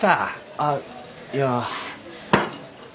あっいや。